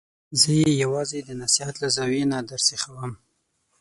زه یې یوازې د نصحت له زاویې نه درسیخوم.